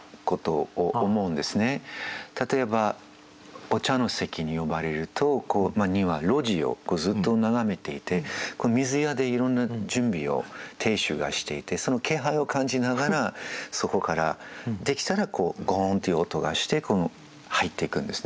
例えばお茶の席に呼ばれると庭露地をずっと眺めていて水屋でいろんな準備を亭主がしていてその気配を感じながらそこからできたらゴーンという音がして入っていくんですね。